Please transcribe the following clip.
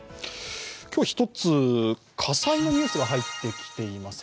今日１つ、火災のニュースが入ってきています。